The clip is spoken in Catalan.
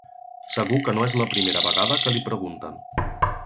Segur que no és la primera vegada que li pregunten.